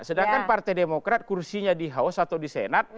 sedangkan partai demokrat kursinya di house atau di senat